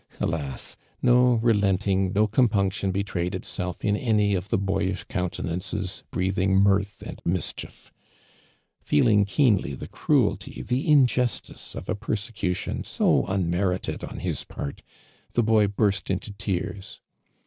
Alas ! no relenting, no compunction betrayed itself in any of the boyish countenanc(\ < breathing mirth an<,l mischief. Feeling keenly the cruelty, the injustice of a jiersecution so unmerited on his part, the boy burst into tears.